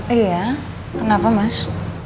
iya kenapa mas